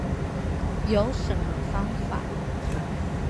有什麼方法